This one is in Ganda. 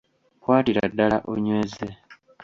Kwatira ddala onyweze